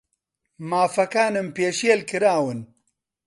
مافەکانم پێشێل کراون.